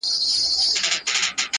سوال جواب د اور لمبې د اور ګروزونه،